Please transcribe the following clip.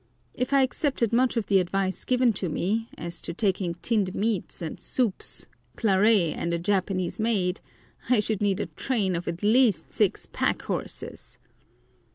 If I accepted much of the advice given to me, as to taking tinned meats and soups, claret, and a Japanese maid, I should need a train of at least six pack horses!